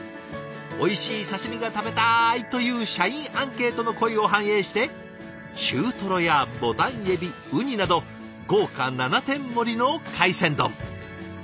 「おいしい刺身が食べたい！」という社員アンケートの声を反映して中トロやボタンエビウニなど豪華７点盛りの海鮮丼。